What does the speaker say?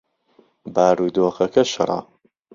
بارودۆخەکە شڕە.